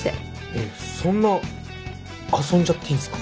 えっそんな遊んじゃっていいんすか？